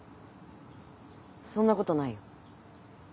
そんなことないよ。